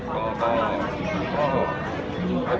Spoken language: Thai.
ก็คงคนผิดดีต้องเลิกกันนะครับ